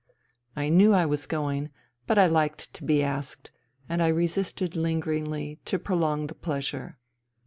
I knew I was going, but I liked to be asked, and I resisted lingeringly, to prolong the pleasure.